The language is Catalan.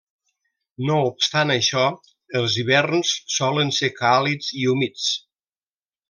No obstant això, els hiverns solen ser càlids i humits.